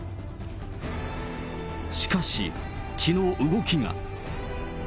しかし、きのう動きが。